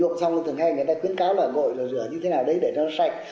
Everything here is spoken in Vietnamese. khi mà nhuộm xong thì thường hay người ta khuyến cáo là gội rồi rửa như thế nào đấy để cho nó sạch